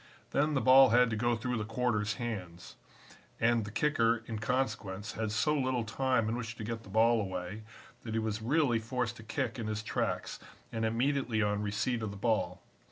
Then, the ball had to go through the quarter's hands, and the kicker in consequence had so little time in which to get the ball away that he was really forced to kick in his tracks and immediately on receipt of the ball.